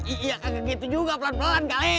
iya kak gak gitu juga pelan pelan kali